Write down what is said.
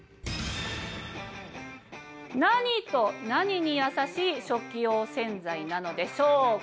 何と何にやさしい食器用洗剤なのでしょうか？